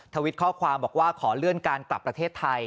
ทวิตข้อความบอกว่าขอเลื่อนการกลับประเทศไทย